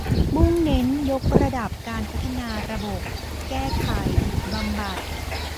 มุ่งเน้นยกระดับการพัฒนาระบบ แก้ไข บำบัด